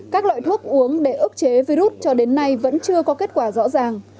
các loại thuốc uống để ức chế virus cho đến nay vẫn chưa có kết quả rõ ràng